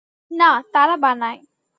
না, তারা বানায়।